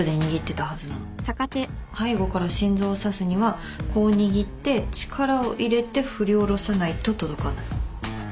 背後から心臓を刺すにはこう握って力を入れて振り下ろさないと届かない。